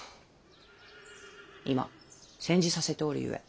今煎じさせておるゆえ。